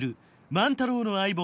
万太郎の相棒